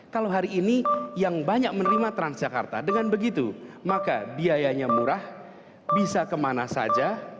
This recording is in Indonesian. kalau hari ini yang banyak menerima transjakarta dengan begitu maka biayanya murah bisa kemana saja